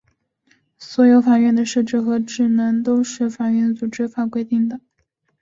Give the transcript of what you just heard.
所有法院的设置和职能都是由法院组织法规定的。